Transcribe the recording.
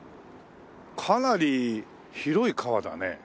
かなり広い川だね。